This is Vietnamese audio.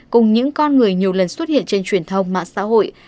cùng những con người nhiều lần xuất hiện trên truyền thông mạng xã hội